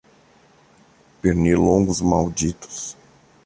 Pernilongos malditos